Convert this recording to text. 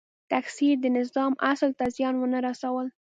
تکثیر د نظام اصل ته زیان ونه رسول.